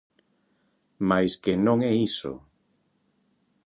Mais que non é iso.